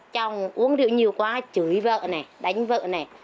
chồng uống rượu nhiều quá chửi vợ này đánh vợ này